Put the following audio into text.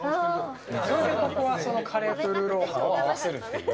それでここはカレーとルーローハンを合わせるという。